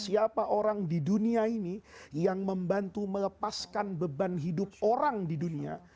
siapa orang di dunia ini yang membantu melepaskan beban hidup orang di dunia